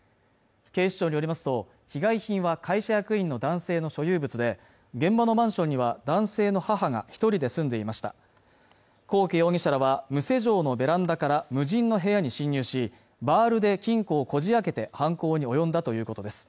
警視庁によりますと被害品は会社役員の男性の所有物で現場のマンションには男性の母が一人で住んでいました幸家容疑者らは無施錠のベランダから無人の部屋に侵入しバールで金庫をこじ開けて犯行に及んだということです